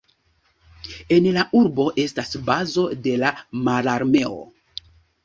En la urbo estas bazo de Mararmeo.